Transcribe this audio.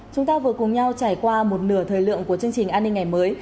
chúng ta vừa cùng nhau trải qua một nửa thời lượng của chương trình an ninh ngày mới